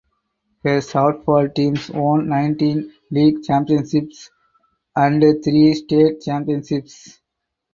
Her softball teams won nineteen league championships and three state championships.